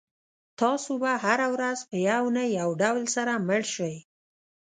تاسو به هره ورځ په یو نه یو ډول سره مړ شئ.